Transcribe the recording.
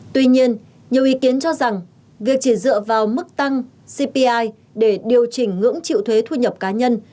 tuy nhiên nhiều ý kiến cho rằng việc chỉ dựa vào mức tăng cpi để điều chỉnh ngưỡng chịu thuế thu nhập cá nhân